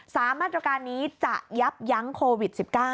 มาตรการนี้จะยับยั้งโควิด๑๙